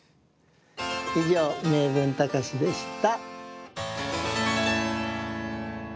「名文たかし」でした。